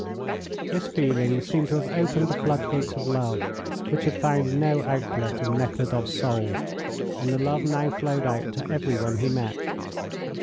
This feeling seemed to have opened the floodgates of love, which had found no outlet in Nekhludoff's soul, and the love now flowed out to every one he met.